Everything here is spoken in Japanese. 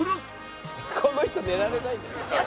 「この人寝られない」